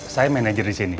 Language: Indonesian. saya manager disini